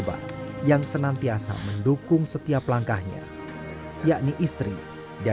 saya mikirin untuk sama anak sama emak emak saya kan juga masih ada